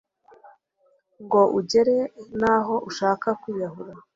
Ngo ugere naho ushaka kwiyahura